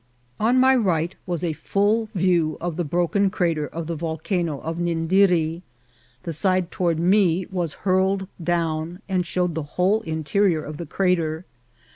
On my right was a full view of the broken crater of the Volcano t>f Nindiri. The side toward me was hurled down, and showed the whole interior of the cra ter.